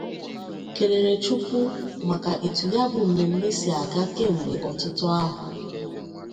kelere Chukwu maka etu ya bụ mmemme si aga kemgbe ọtụtụ ahọ